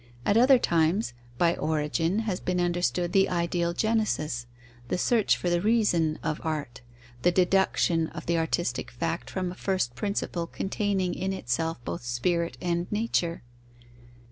At other times, by origin has been understood the ideal genesis, the search for the reason of art, the deduction of the artistic fact from a first principle containing in itself both spirit and nature.